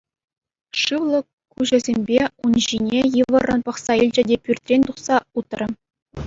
Шывлӑ куҫӗсемпе ун ҫине йывӑррӑн пӑхса илчӗ те пӱртрен тухса утрӗ.